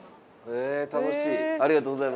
楽しい。